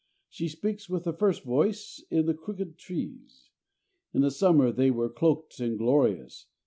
She speaks with the first voice in the crooked trees. In the summer they were cloaked and glorious.